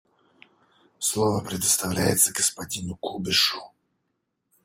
Слово предоставляется господину Кубишу.